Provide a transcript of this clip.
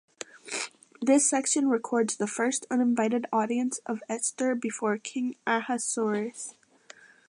This section records the first uninvited audience of Esther before king Ahasuerus.